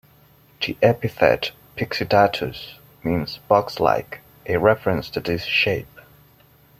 The epithet "pyxidatus" means "box-like"-a reference to this shape.